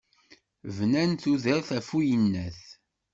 Bnan tudert γef uyennat.